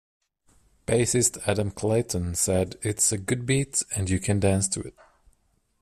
Bassist Adam Clayton said It's a good beat and you can dance to it.